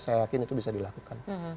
saya yakin itu bisa dilakukan